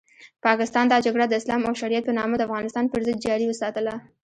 پاکستان دا جګړه د اسلام او شریعت په نامه د افغانستان پرضد جاري وساتله.